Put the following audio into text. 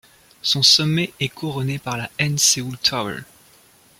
Son sommet est couronné par la N Seoul Tower.